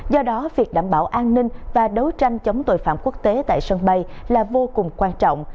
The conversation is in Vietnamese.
do đó việc đảm bảo an ninh và đấu tranh chống tội phạm quốc tế tại sân bay là vô cùng quan trọng